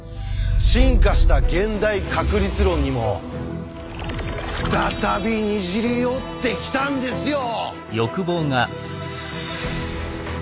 進化した現代確率論にも再びにじり寄ってきたんですよ！